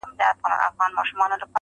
لرغوني اثار باید خوندي پاتې شي